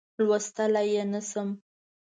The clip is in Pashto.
لوستلای نه شم.